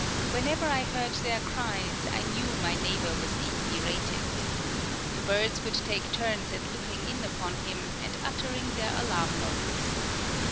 Whenever I heard their cries, I knew my neighbor was being berated. The birds would take turns at looking in upon him, and uttering their alarm notes.